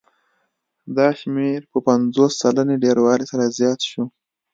دا شمېر په پنځوس سلنې ډېروالي سره زیات شو